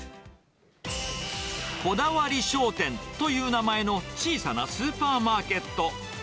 こだわり商店という名前の小さなスーパーマーケット。